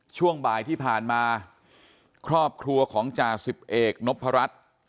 ช่วงบ่ายที่ผ่านมาครอบครัวของจ่าสิบเอกนพรัช